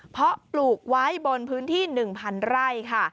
เพราะปลูกไว้บนพื้นที่๑๐๐๐ไร่ค่ะ